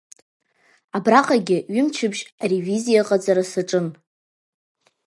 Абраҟагьы ҩымчыбжь аревизиаҟаҵара саҿын.